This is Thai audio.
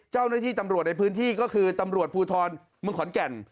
เจ้าหน้าที่ตำรวจในพื้นที่ก็คือตำรวจภูทรเมืองขอนแก่น